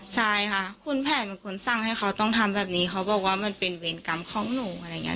ใช่ค่ะคุณแผนเป็นคนสั่งให้เขาต้องทำแบบนี้เขาบอกว่ามันเป็นเวรกรรมของหนูอะไรอย่างนี้